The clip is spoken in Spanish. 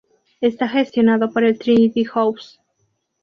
Está gestionado por el Trinity House.